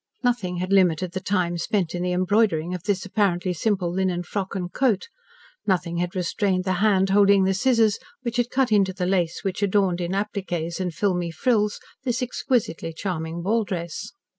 Nothing had limited the time spent in the embroidering of this apparently simple linen frock and coat; nothing had restrained the hand holding the scissors which had cut into the lace which adorned in appliques and filmy frills this exquisitely charming ball dress.